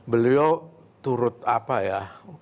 beliau turut apa ya